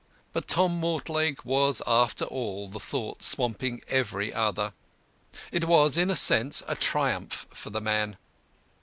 But "Tom Mortlake" was, after all, the thought swamping every other. It was, in a sense, a triumph for the man.